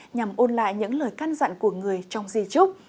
nhằm ôn lại những lời căn dặn của người trong di trúc